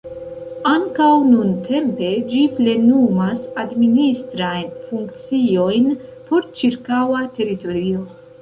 Ankaŭ nuntempe ĝi plenumas administrajn funkciojn por ĉirkaŭa teritorio.